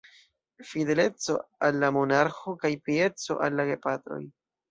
Fideleco al la monarĥo kaj pieco al la gepatroj.